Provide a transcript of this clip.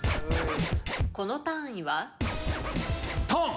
この単位は？トン。